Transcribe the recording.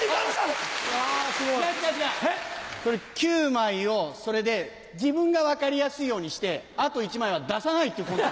９枚をそれで自分が分かりやすいようにしてあと１枚は出さないっていう魂胆。